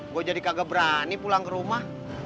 gue jadi kagak berani pulang ke rumah